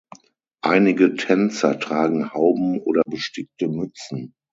Einige Tänzer tragen Hauben oder bestickte Mützen.